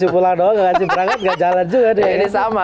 willing yang laku sama